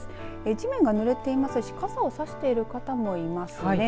地面がぬれていますし傘を差している方もいますね。